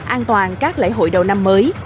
an toàn các lễ hội đầu năm mới